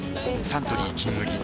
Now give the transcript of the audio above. サントリー「金麦」